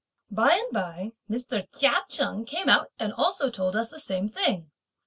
By and by, Mr. Chia Cheng came out and also told us the same thing.